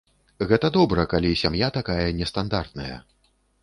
Гэта добра, калі сям'я такая нестандартная.